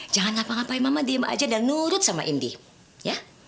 jangan ngapa ngapain mama diem aja dan nurut sama indie ya